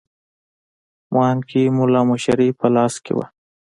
مانکي مُلا مشري په لاس کې وه.